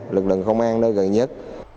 lực lượng công an nơi gần nhất